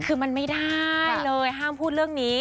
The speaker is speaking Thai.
คือมันไม่ได้เลยห้ามพูดเรื่องนี้